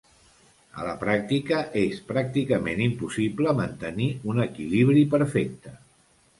A la pràctica, és pràcticament impossible mantenir un equilibri perfecte.